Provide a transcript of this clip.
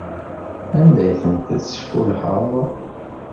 Anda ay ten-tesfullḥeḍ?